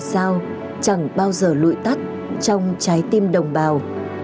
sao chẳng bao giờ lụi tắt trong trái tim đồng bào